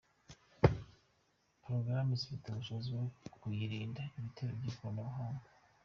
Porogoramu zifite ubushobozi bwo kuyirinda ibitero by’ikoranabuhanga.